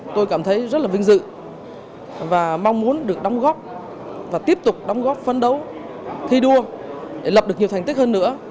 tôi cảm thấy rất là vinh dự và mong muốn được đóng góp và tiếp tục đóng góp phấn đấu thi đua để lập được nhiều thành tích hơn nữa